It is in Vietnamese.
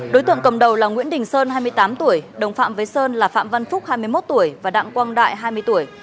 đối tượng cầm đầu là nguyễn đình sơn hai mươi tám tuổi đồng phạm với sơn là phạm văn phúc hai mươi một tuổi và đặng quang đại hai mươi tuổi